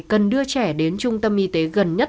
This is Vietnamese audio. cần đưa trẻ đến trung tâm y tế gần nhất